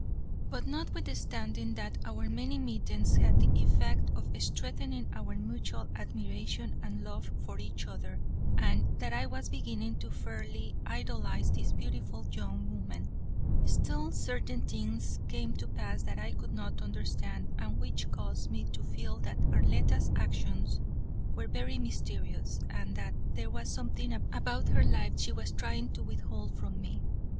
But notwithstanding that our many meetings had the effect of strengthening our mutual admiration and love for each other, and that I was beginning to fairly idolize this beautiful young woman, still certain things came to pass that I could not understand, and which caused me to feel that Arletta's actions were very mysterious, and that there was something about her life she was trying to withhold from me.